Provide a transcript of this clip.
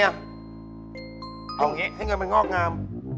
เอาอย่างนี้ให้เงินมันงอกงาม